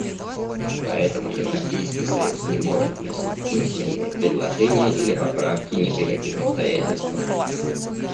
Поэтому Европейский союз не может вносить письменные предложения или поправки ни при каких обстоятельствах.